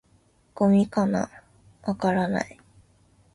「ゴミかな？」「わからない」